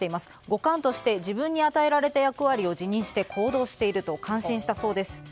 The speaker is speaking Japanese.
五冠として自分に与えられた役割を自任して行動していると感心したそうです。